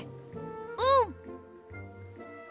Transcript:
うん！